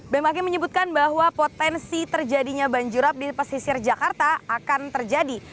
bmkg menyebutkan bahwa potensi terjadinya banjirop di pesisir jakarta akan terjadi